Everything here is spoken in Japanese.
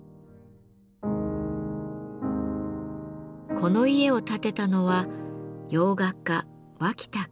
この家を建てたのは洋画家脇田和。